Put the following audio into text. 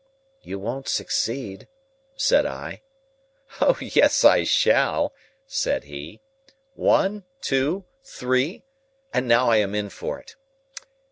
"You won't succeed," said I. "O yes I shall!" said he. "One, two, three, and now I am in for it.